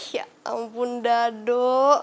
ya ampun dado